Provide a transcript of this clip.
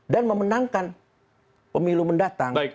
dan memenangkan pemilu mendatang